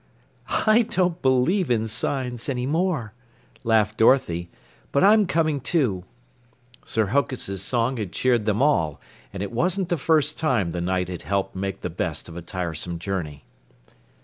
"I don't believe in signs anymore," laughed Dorothy, "but I'm coming too." Sir Hokus' song had cheered them all, and it wasn't the first time the Knight had helped make the best of a tiresome journey.